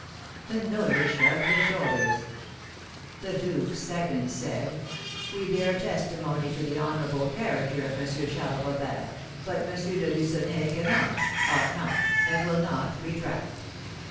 The notary shrugged his shoulders. "The duke's seconds said, 'We bear testimony to the honourable character of M. Charles Robert, but M. de Lucenay cannot, ought not, and will not retract.'